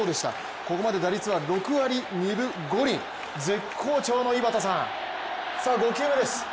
ここまで打率は６割５分２厘、絶好調の井端さん５球です。